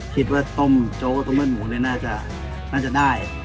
คิดว่าต้มโจ๊ต้มเลือดหมูเนี่ยน่าจะได้